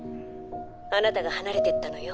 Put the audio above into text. あなたが離れていったのよ。